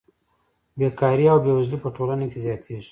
بېکاري او بېوزلي په ټولنه کې زیاتېږي